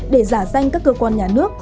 để giả danh các cơ quan nhà nước